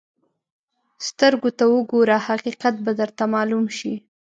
سترګو ته وګوره، حقیقت به درته معلوم شي.